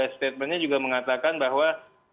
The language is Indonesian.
statementnya juga mengatakan bahwa